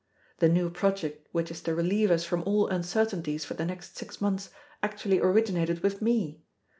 The new project which is to relieve us from all uncertainties for the next six months actually originated with _me!